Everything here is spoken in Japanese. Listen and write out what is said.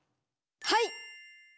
はい！